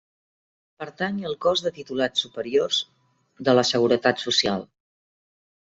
Pertany al Cos de Titulats Superiors de la Seguretat Social.